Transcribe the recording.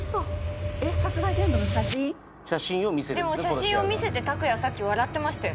写真を見せて拓哉はさっき笑ってましたよね。